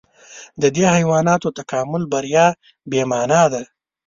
د دې حیواناتو تکاملي بریا بې مانا ده.